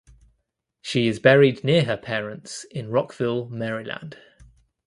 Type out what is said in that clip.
She is buried near her parents in Rockville, Maryland.